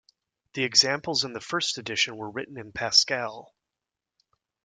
The examples in the first edition were written in Pascal.